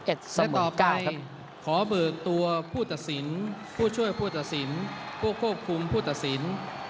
ต่อไปขอเบิกตัวผู้ตัดสินผู้ช่วยผู้ตัดสินผู้ควบคุมผู้ตัดสิน